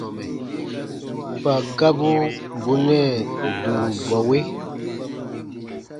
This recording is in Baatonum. Kpa gabu bù nɛɛ dũrubɔwe.